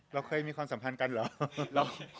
เราเคยมีความสัมพันธ์กันเหรอ